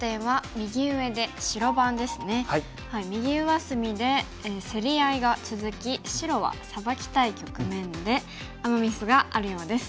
右上隅で競り合いが続き白はサバきたい局面でアマ・ミスがあるようです。